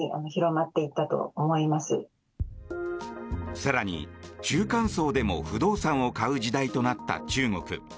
更に中間層でも不動産を買う時代となった中国。